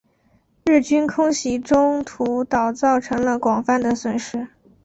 日军空袭中途岛造成了广泛的损失。